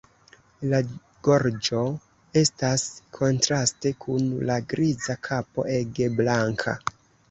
La gorĝo estas kontraste kun la griza kapo ege blanka.